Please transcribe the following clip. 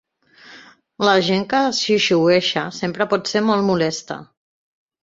La gent que xiuxiueja sempre pot ser molt molesta